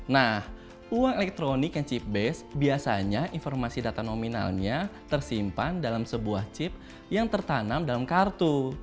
nah uang elektronik yang chip base biasanya informasi data nominalnya tersimpan dalam sebuah chip yang tertanam dalam kartu